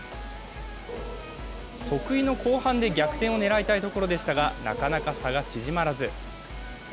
得意の後半で逆転を狙いたいところでしたが、なかなか差が縮まらず。